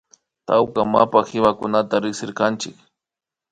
Tawka mapa kiwakunata rikshishkanchik